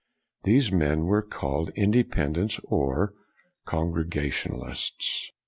These men were called Independents, or Congregationalists.